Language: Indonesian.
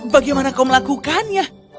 bagaimana kau melakukannya